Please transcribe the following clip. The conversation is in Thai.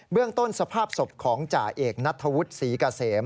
เรื่องต้นสภาพศพของจ่าเอกนัทธวุฒิศรีกาเสม